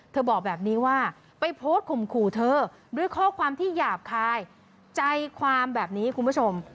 บอกแบบนี้ว่าไปโพสต์ข่มขู่เธอด้วยข้อความที่หยาบคายใจความแบบนี้คุณผู้ชม